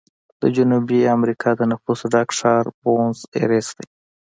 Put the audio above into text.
د جنوبي امریکا د نفوسو ډک ښار بونس ایرس دی.